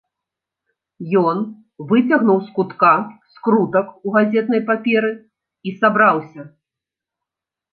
Ён выцягнуў з кутка скрутак у газетнай паперы і сабраўся.